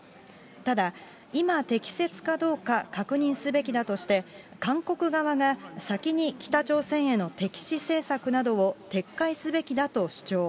ただ、今適切かどうか確認すべきだとして、韓国側が先に北朝鮮への敵視政策などを撤回すべきだと主張。